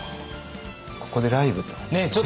ここでライブとか。